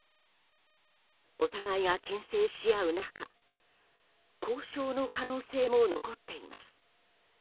お互いが牽制し合う中交渉の可能性も残っています。